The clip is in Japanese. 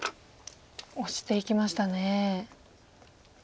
オシていきましたね。